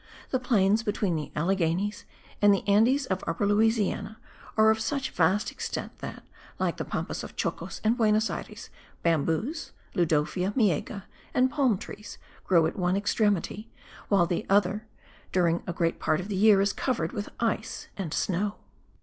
The plains between the Alleghenies and the Andes of Upper Louisiana are of such vast extent that, like the Pampas of Choco and Buenos Ayres, bamboos (Ludolfia miega) and palm trees grow at one extremity, while the other, during a great part of the year, is covered with ice and snow.